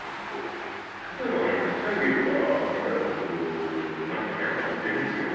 例えば高いビルから見た様子何かやっぱ似てますよね。